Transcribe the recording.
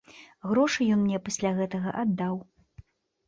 Грошы ён мне пасля за гэта аддаў.